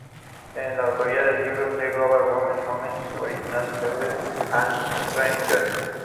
Es la autora del libro The Global Women's Movement: Origins, Issues and Strategies.